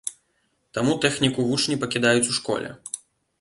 Таму тэхніку вучні пакідаюць у школе.